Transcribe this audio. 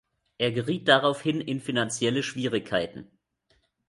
Er geriet daraufhin in finanzielle Schwierigkeiten.